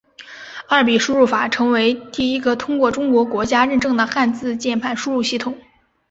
二笔输入法成为第一个通过中国国家认证的汉字键盘输入系统。